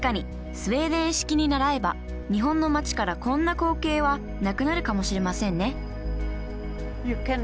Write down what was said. スウェーデン式にならえば日本の街からこんな光景はなくなるかもしれませんね！